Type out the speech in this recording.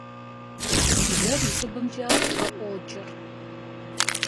Бжэр и щӏыбымкӏэ къыӏуокӏыр.